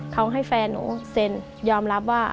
เขาให้แฟนหนูเซ็นยอมรับว่า